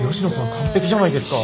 完璧じゃないですか。